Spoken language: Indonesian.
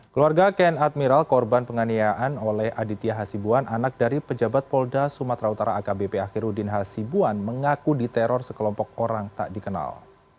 keluarga ken admiral korban penganiayaan oleh aditya hasibuan anak dari pejabat polda sumatera utara akbp akhirudin hasibuan mengaku diteror sekelompok orang tak dikenal